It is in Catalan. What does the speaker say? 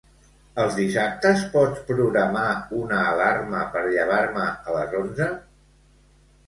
Els dissabtes pots programar una alarma per llevar-me a les onze?